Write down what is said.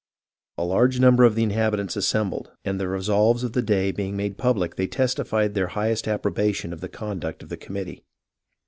A large number of the inhabitants assembled, and the resolves of the day being made pubHc they testified their highest approbation of the conduct of the committee.